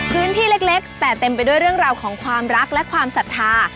พื้นที่เล็กแต่เต็มไปด้วยเรื่องราวของความรักและความศรัทธา